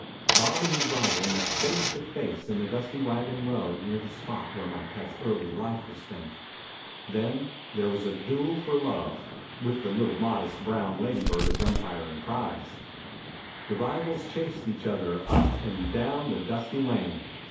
Bob and his rival met face to face in the dusty wagon road near the spot where my pet's early life was spent. Then there was a duel for love, with the little modest brown lady bird as umpire and prize. The rivals chased each other up and down the dusty lane.